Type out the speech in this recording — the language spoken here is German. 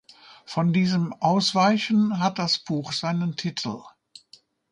Von diesem „Ausweichen“ hat das Buch seinen Titel.